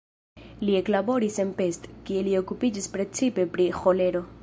Li eklaboris en Pest, kie li okupiĝis precipe pri ĥolero.